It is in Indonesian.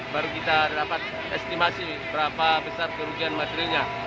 baru kita dapat estimasi berapa besar kerugian materinya